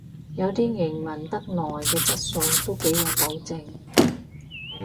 有啲營運得耐嘅質素都幾有保證